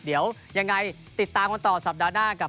เดี๋ยวยังไงติดตามกันต่อสัปดาห์หน้ากับ